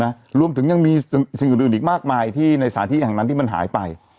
นะรวมถึงยังมีสิ่งอื่นอื่นอีกมากมายที่ในสถานที่แห่งนั้นที่มันหายไป